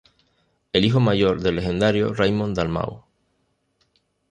El hijo mayor del legendario Raymond Dalmau.